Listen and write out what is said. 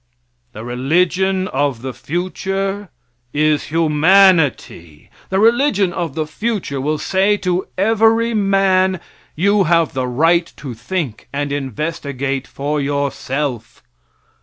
The religion of the future is humanity. The religion of the future will say to every man, "You have the right to think and investigate for yourself."